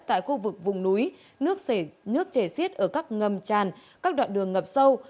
tại khu vực vùng núi nước chảy xiết ở các ngầm tràn các đoạn đường ngập sâu